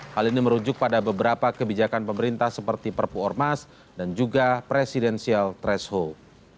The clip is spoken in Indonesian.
hal ini merujuk pada beberapa kebijakan pemerintah seperti perpu ormas dan juga presidensial threshold